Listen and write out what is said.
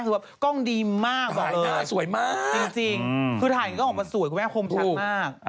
คือแบบกล้องดีมากวายหน้าสวยมากจริงคือถ่ายกล้องออกมาสวยคุณแม่คมชัดมาก